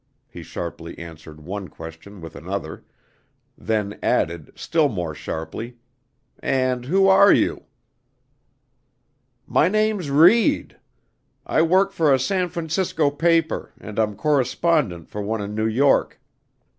he sharply answered one question with another; then added, still more sharply, "And who are you?" "My name's Reid. I work for a San Francisco paper, and I'm correspondent for one in New York.